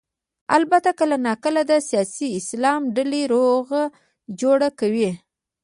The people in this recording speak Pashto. البته کله نا کله د سیاسي اسلام ډلې روغه جوړه کوي.